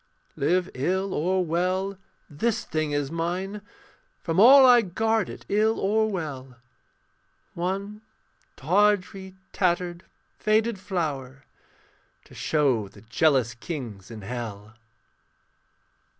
Live ill or well, this thing is mine, From all I guard it, ill or well. One tawdry, tattered, faded flower To show the jealous kings in hell.